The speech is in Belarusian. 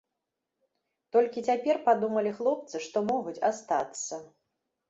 Толькі цяпер падумалі хлопцы, што могуць астацца.